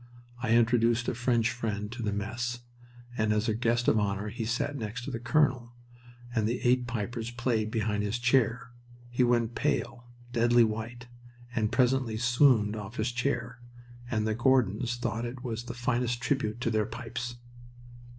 I introduced a French friend to the mess, and as a guest of honor he sat next to the colonel, and the eight pipers played behind his chair. He went pale, deadly white, and presently swooned off his chair... and the Gordons thought it the finest tribute to their pipes!